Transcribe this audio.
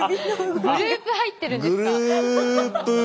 グループ入ってるんですか？